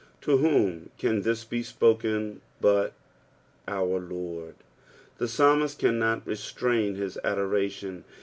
To whom can this be spoken 'but our Lord } The psalmist cannot restrain his adoration.